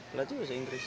pelatih bahasa inggris